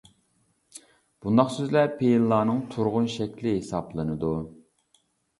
بۇنداق سۆزلەر پېئىللارنىڭ تۇرغۇن شەكلى ھېسابلىنىدۇ.